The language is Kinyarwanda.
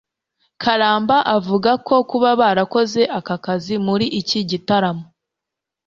karamba avuga ko kuba barakoze aka kazi muri iki gitaramo